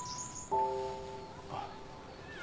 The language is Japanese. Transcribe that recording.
あっ